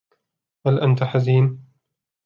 هل أنتَ حزين؟